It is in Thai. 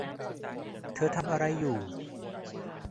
เธอทำอะไรอยู่